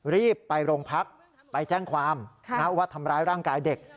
รีบไปโรงพักไปแจ้งความว่าทำร้ายร่างกายเด็ก